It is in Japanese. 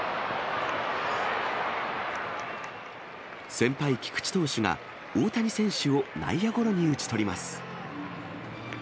先輩、菊池投手が大谷選手を内野ゴロに打ち取ります。